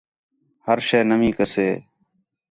ہر شَے نَوی کَسے